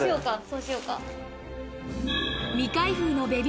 そうしようか。